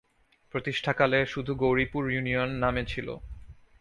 প্রতিষ্ঠাকালে শুধু গৌরীপুর ইউনিয়ন নামে ছিলো।